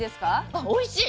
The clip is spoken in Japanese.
あっおいしい。